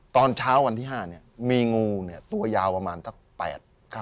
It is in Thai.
ตอนเช้าวันที่๕เนี่ยมีงูเนี่ยตัวยาวประมาณสักแปด